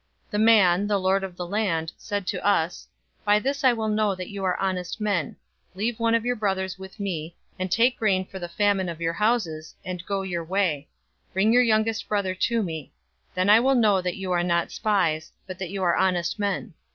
042:033 The man, the lord of the land, said to us, 'By this I will know that you are honest men: leave one of your brothers with me, and take grain for the famine of your houses, and go your way. 042:034 Bring your youngest brother to me. Then I will know that you are not spies, but that you are honest men.